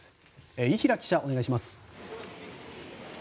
伊平記者、お願いします。